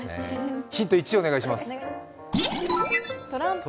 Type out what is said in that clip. ヒント１、お願いします。